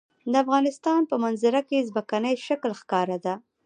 د افغانستان په منظره کې ځمکنی شکل ښکاره ده.